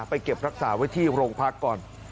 เก็บรักษาไว้ที่โรงพักก่อน